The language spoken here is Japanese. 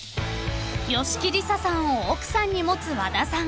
［吉木りささんを奥さんに持つ和田さん］